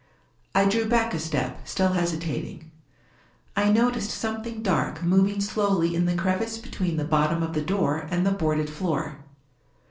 I drew back a step, still hesitating. I noticed something dark moving slowly in the crevice between the bottom of the door and the boarded floor.